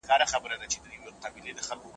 که څه هم د حنبلي فقهاوو يو قول داسي دی.